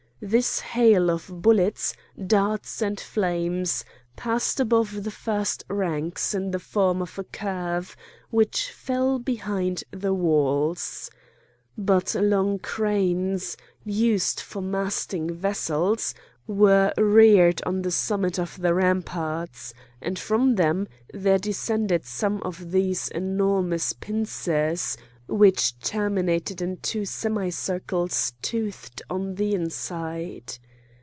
This hail of bullets, darts, and flames passed above the first ranks in the form of a curve which fell behind the walls. But long cranes, used for masting vessels, were reared on the summit of the ramparts; and from them there descended some of those enormous pincers which terminated in two semicircles toothed on the inside.